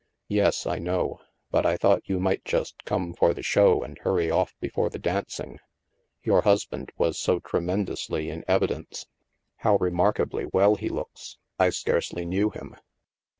"Yes, I know. But I thought you might just come for the show and hurry off before the dancing. Yotu* husband was so tremendously in evidence. THE MAELSTROM 257 How remarkably well he looks. I scarcely knew him."